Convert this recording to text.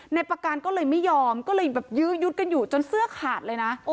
ประการก็เลยไม่ยอมก็เลยแบบยื้อยุดกันอยู่จนเสื้อขาดเลยนะ